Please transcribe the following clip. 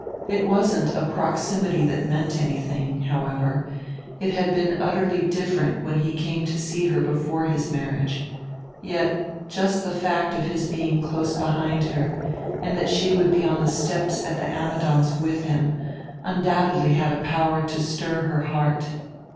It wasn't a proximity that meant anything, however; it had been utterly different when he came to see her before his marriage. Yet, just the fact of his being close behind her, and that she would be on the steps at the Ammidons' with him, undoubtedly had a power to stir her heart.